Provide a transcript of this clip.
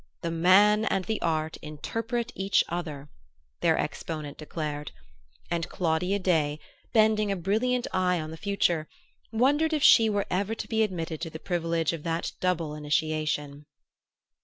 "The man and the art interpret each other," their exponent declared; and Claudia Day, bending a brilliant eye on the future, wondered if she were ever to be admitted to the privilege of that double initiation.